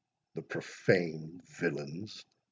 "The profane villains!"